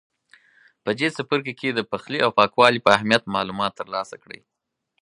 په دې څپرکي کې د پخلي او پاکوالي په اهمیت معلومات ترلاسه کړئ.